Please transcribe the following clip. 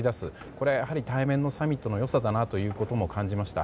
これはやはり対面のサミットの良さだなと感じました。